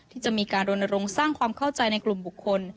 ที่จะมีการรณรงค์สร้างความเข้าใจในกลุ่มบุคคล